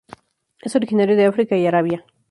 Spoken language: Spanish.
Es originario de África y Arabia.